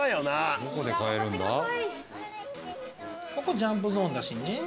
ここジャンプゾーンだしんね。